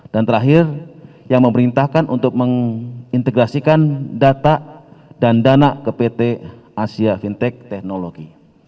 dan terakhir yang memerintahkan untuk mengintegrasikan data dan dana ke pt asia fintech technology